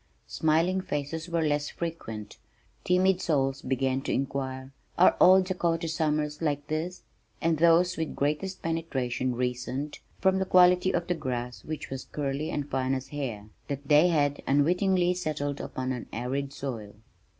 Smiling faces were less frequent. Timid souls began to inquire, "Are all Dakota summers like this?" and those with greatest penetration reasoned, from the quality of the grass which was curly and fine as hair, that they had unwittingly settled upon an arid soil.